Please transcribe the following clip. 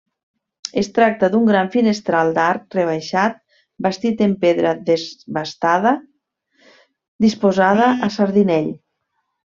Es tracta d'un gran finestral d'arc rebaixat bastit en pedra desbastada disposada a sardinell.